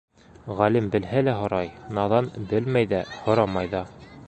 Ғалим белһә лә һорай, наҙан белмәй ҙә, һорамай ҙа.